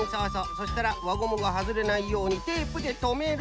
そしたらわゴムがはずれないようにテープでとめる。